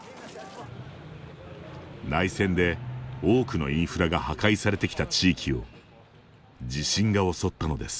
内戦で多くのインフラが破壊されてきた地域を地震が襲ったのです。